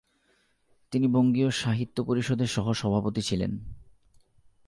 তিনি বঙ্গীয় সাহিত্য পরিষদের সহ-সভাপতি ছিলেন।